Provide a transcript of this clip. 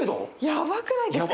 やばくないですか。